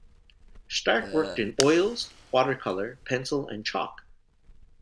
Stark worked in oils, watercolour, pencil and chalk.